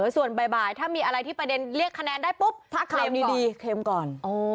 ส่วนบ่ายถ้ามีอะไรที่ประเด็นเรียกคะแนนได้ปุ๊บถ้าเคลมดีเคลมก่อน